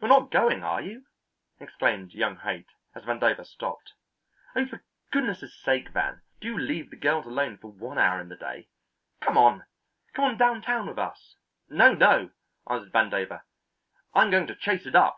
"You are not going, are you?" exclaimed young Haight, as Vandover stopped. "Oh, for goodness' sake, Van, do leave the girls alone for one hour in the day. Come on! Come on downtown with us." "No, no," answered Vandover. "I'm going to chase it up.